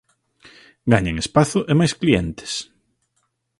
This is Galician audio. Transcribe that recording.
Gañan espazo e máis clientes.